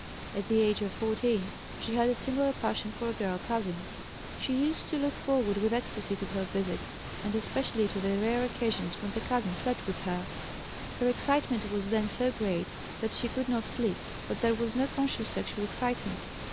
At the age of 14 she had a similar passion for a girl cousin; she used to look forward with ecstasy to her visits, and especially to the rare occasions when the cousin slept with her; her excitement was then so great that she could not sleep, but there was no conscious sexual excitement.